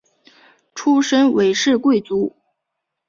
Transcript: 出身韦氏贵族。